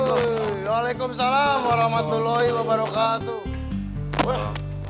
waalaikumsalam warahmatullahi wabarakatuh